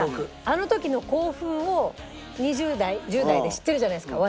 あの時の興奮を２０代１０代で知ってるじゃないですか